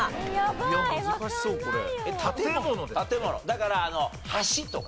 だから橋とかね